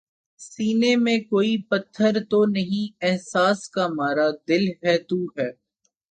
سینے میں کوئی پتھر تو نہیں احساس کا مارا، دل ہی تو ہے